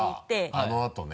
あのあとね。